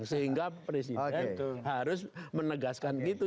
sehingga presiden harus menegaskan gitu